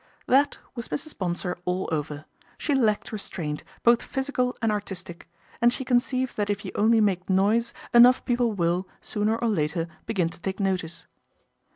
That was Mrs. Bonsor all over ; she lacked restraint, both physical and artistic, and she conceived that if you only make noise enough people will, sooner or later, begin to take notice.